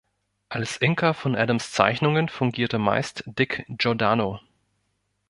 Als Inker von Adams Zeichnungen fungierte meist Dick Giordano.